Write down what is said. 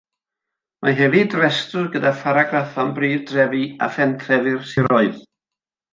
Mae hefyd restr gyda pharagraff am brif drefi a phentrefi'r siroedd.